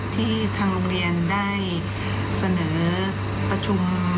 ทางโรงเรียนได้เสนอประชุม